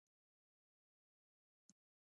زه غواړم کابل ته چکر ووهم